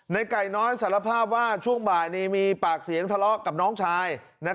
ไก่น้อยสารภาพว่าช่วงบ่ายนี้มีปากเสียงทะเลาะกับน้องชาย